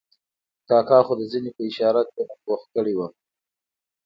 کاکا خو د زنې په اشاره دومره پوه کړی وم.